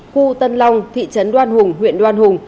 khu tân long thị trấn đoan hùng huyện đoan hùng